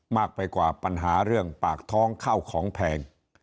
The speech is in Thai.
มากไปกว่าปัญหาเรื่องปากท้องเข้าของแพง